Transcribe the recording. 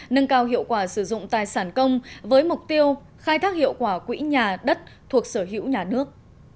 nâng cao hiệu quả sử dụng tài sản công với mục tiêu khai thác hiệu quả quỹ nhà đất thuộc sở hữu nhà nước